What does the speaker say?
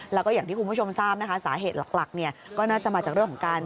แล้วก็อย่างที่คุณผู้ชมทราบนะคะสาเหตุหลักเนี่ยก็น่าจะมาจากเรื่องของการ